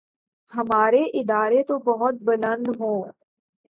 ہمارے ارادے تو بہت بلند ہوں۔